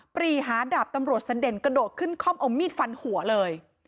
ปรีหาดาบตำรวจเสด็นกระโดดขึ้นคล่อมเอามีดฟันหัวเลย